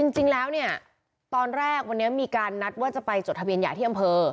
จริงแล้วเนี่ยตอนแรกวันนี้มีการนัดว่าจะไปจดทะเบียนหย่าที่อำเภอ